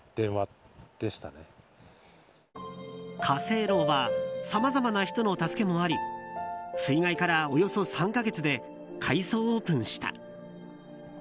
華正樓はさまざまな人の助けもあり水害からおよそ３か月で改装オープンした。